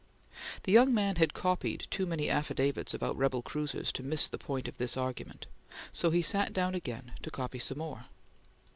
The young man had copied too many affidavits about rebel cruisers to miss the point of this argument, so he sat down again to copy some more.